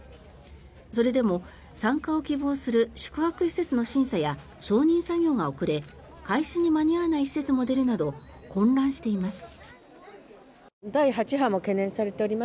それでも参加を希望する宿泊施設の審査や承認作業が遅れ開始に間に合わない施設も出るなど混乱しています。